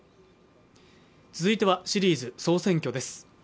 続いては、シリーズ「総選挙」です。